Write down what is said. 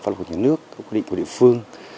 pháp luật của những nước các quy định của địa phương